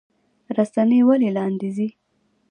ریښې ولې لاندې ځي؟